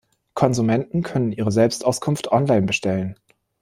Konsumenten können ihre Selbstauskunft online bestellen.